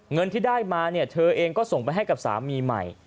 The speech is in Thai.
เงินที่ได้มาเนี่ยเธอเองก็ส่งไปให้กับสามีใหม่